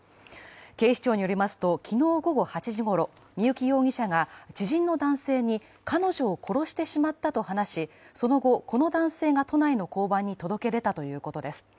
警視庁によりますと、昨日午後８時ごろ、三幸容疑者が知人の男性に、彼女を殺してしまったと話し、その後、この男性が都内の交番に届け出たということです。